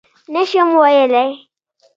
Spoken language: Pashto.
_نه شم ويلای.